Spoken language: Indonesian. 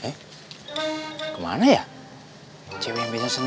eh kemana ya cewek yang bisa senang